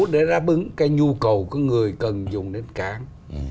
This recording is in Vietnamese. để đáp ứng cái nhu cầu của người cần dùng đến cảng